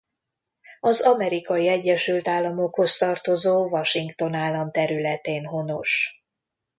Az Amerikai Egyesült Államokhoz tartozó Washington állam területén honos.